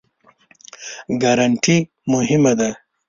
ګارنټي مهمه دی؟